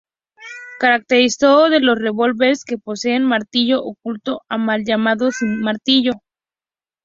Característico de los revólveres que poseen martillo oculto o mal llamados "sin martillo".